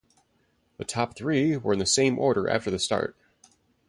The top three were in the same order after the start.